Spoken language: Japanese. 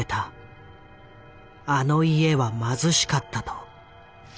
「あの家は貧しかった」と。